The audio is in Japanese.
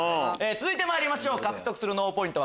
続いてまいりましょう獲得する脳ポイント